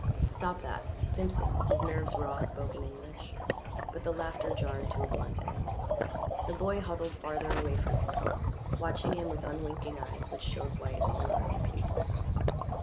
"Stop that!" Simpson, his nerves raw, spoke in English, but the laughter jarred to a blunt end. The boy huddled farther away from him, watching him with unwinking eyes which showed white all around the pupil.